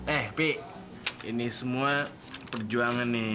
eh pik ini semua perjuangan nih